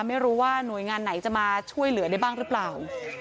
ไม่รู้ว่าหน่วยงานไหนจะมาช่วยเหลือได้บ้างหรือเปล่า